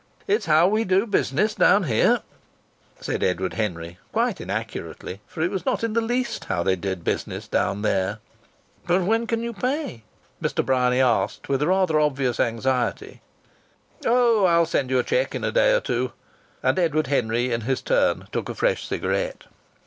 "It's how we do business down here," said Edward Henry, quite inaccurately; for it was not in the least how they did business down there. Mr. Bryany asked, with a rather obvious anxiety: "But when can you pay?" "Oh, I'll send you a cheque in a day or two." And Edward Henry in his turn took a fresh cigarette.